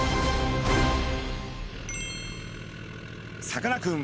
さかなクン